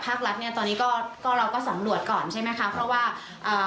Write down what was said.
ภาครัฐเนี้ยตอนนี้ก็ก็เราก็สำรวจก่อนใช่ไหมคะเพราะว่าเอ่อ